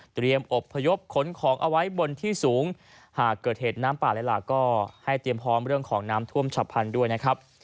อบพยพขนของเอาไว้บนที่สูงหากเกิดเหตุน้ำป่าและหลากก็ให้เตรียมพร้อมเรื่องของน้ำท่วมฉับพันธุ์ด้วยนะครับ